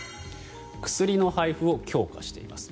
薬の配布を強化しています。